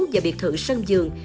và biệt thự sân dường